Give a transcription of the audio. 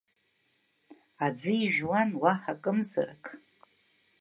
Аӡы ижәуан, уаҳа акымзарак.